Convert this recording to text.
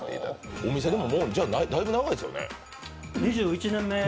お店、だいぶ長いですよね？